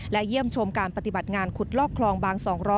และเยี่ยมชมการปฏิบัติงานขุดลอกคลองบาง๒๐๐